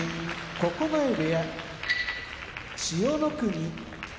九重部屋千代の国